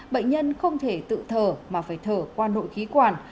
bệnh nhân không thể tự thở mà phải thở qua nội khí quản